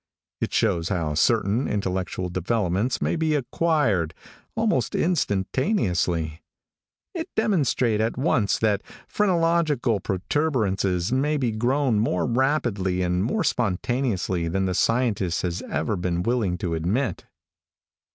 It shows how certain intellectual developments may be acquired almost instantaneously. It demonstrates at once that phrenological protuberances may be grown more rapidly and more spontaneously than the scientist has ever been willing to admit.